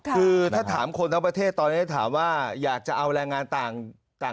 คือถ้าถามคนทั้งประเทศตอนนี้ถามว่าอยากจะเอาแรงงานต่าง